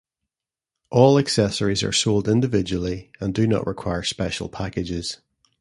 All accessories are sold individually, and do not require special packages.